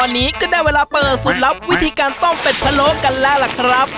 ตอนนี้ก็ได้เวลาเปิดสูตรลับวิธีการต้มเป็ดพะโล้กันแล้วล่ะครับ